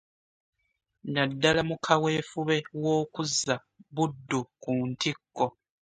Naddala mu kaweefube w'okuzza Buddu ku ntikko.